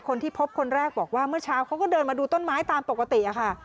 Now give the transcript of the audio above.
คนที่พบคนแรกบอกว่าเมื่อเช้าเขาก็เดินมาดูต้นไม้ตามปกติค่ะ